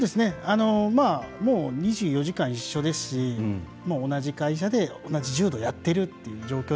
もう２４時間一緒ですし同じ会社で同じ柔道をやっているという状況でもあるので。